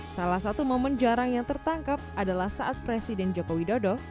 salah satu momen jarang yang tertangkap adalah saat presiden joko widodo